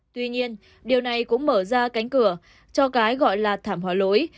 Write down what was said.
tuy nhiên điều này cũng mở ra cánh cửa cho cái gọi là thảm hóa lỗi